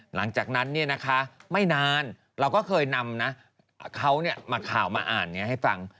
หลังจากนั้นไม่นานเราก็เคยนำนะเขามาข่าวมาอ่านนี้ให้ฟัง